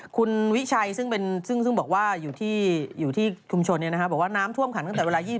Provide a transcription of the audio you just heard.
คุณวิชัยซึ่งบอกว่าอยู่ที่ชุมชนบอกว่าน้ำท่วมขังตั้งแต่เวลา๒๐